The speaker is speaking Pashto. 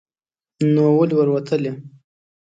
نو ولې ور وتلی ؟